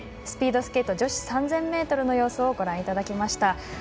スピードスケート女子３０００ｍの様子をご覧いただきました。